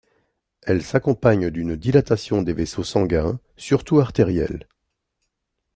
Elle s'accompagne d'une dilatation des vaisseaux sanguins, surtout artériels.